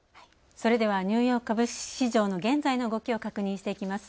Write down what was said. それでは、ニューヨーク株式市場の現在の動きを確認していきます。